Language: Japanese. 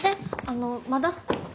あのまだ。